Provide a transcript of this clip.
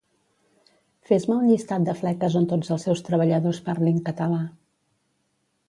Fes-me un llistat de fleques on tots els seus treballadors parlin català